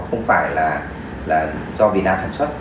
nó không phải là do việt nam sản xuất